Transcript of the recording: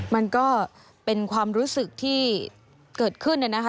มันก็เป็นความรู้สึกที่เกิดขึ้นเนี่ยนะคะ